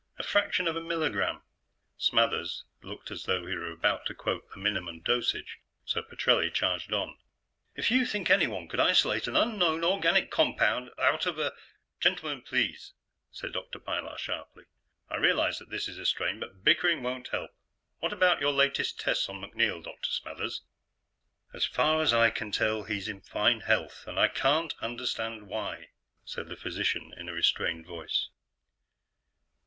A fraction of a milligram!" Smathers looked as though he were about to quote the minimum dosage, so Petrelli charged on: "If you think anyone could isolate an unknown organic compound out of a " "Gentlemen! Please!" said Dr. Pilar sharply. "I realize that this is a strain, but bickering won't help. What about your latest tests on MacNeil, Dr. Smathers?" "As far as I can tell, he's in fine health. And I can't understand why," said the physician in a restrained voice.